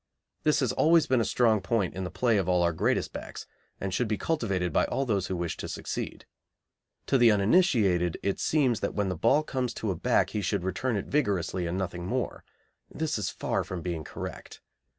This has always been a strong point in the play of all our greatest backs, and should be cultivated by all those who wish to succeed. To the uninitiated it seems that when the ball comes to a back he should return it vigorously, and nothing more. This is far from being correct.